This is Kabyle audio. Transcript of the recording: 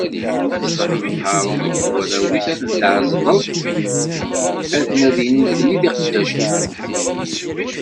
Ad tdehneḍ Haṛun akked warraw-is, ad ten-tɛezleḍ akken ad ilin fell-i d iqeddacen.